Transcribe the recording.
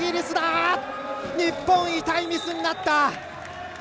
日本、痛いミスになった。